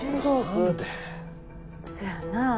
そやな。